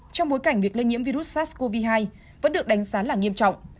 trong bối cảnh việc lây nhiễm virus sars cov hai vẫn được đánh giá là nghiêm trọng